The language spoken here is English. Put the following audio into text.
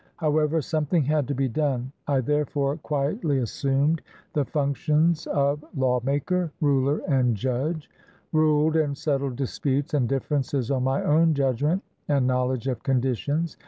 However, something had to be done. I therefore quietly assumed the functions of lawmaker, ruler, and judge, ruled and settled disputes and differences on my own judgment and knowledge of conditions.